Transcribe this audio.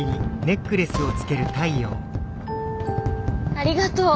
ありがとう。